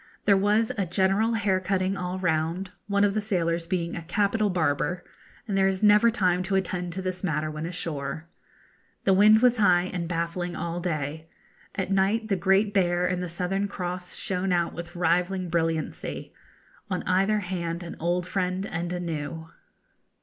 There was a general hair cutting all round, one of the sailors being a capital barber, and there is never time to attend to this matter when ashore. The wind was high and baffling all day. At night the Great Bear and the Southern Cross shone out with rivalling brilliancy: 'On either hand an old friend and a new.'